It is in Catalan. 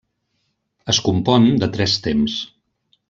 Es compon de tres temps.